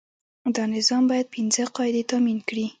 دا نظام باید پنځه قاعدې تامین کړي.